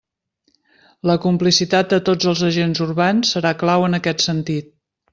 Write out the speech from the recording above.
La complicitat de tots els agents urbans serà clau en aquest sentit.